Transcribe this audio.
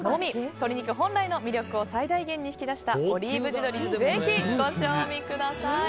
鶏肉本来の魅力を最大限に引き出したオリーブ地鶏をぜひご賞味ください。